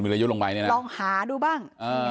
ลองหาดูบ้าง